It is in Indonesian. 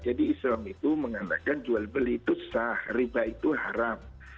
jadi islam itu mengatakan jual beli itu sah riba itu haram